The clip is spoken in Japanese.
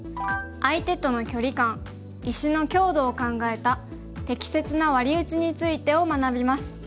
相手との距離感石の強度を考えた適切なワリウチについてを学びます。